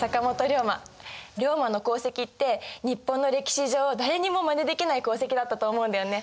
龍馬の功績って日本の歴史上誰にもまねできない功績だったと思うんだよね。